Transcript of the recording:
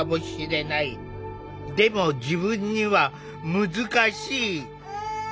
でも自分には難しい。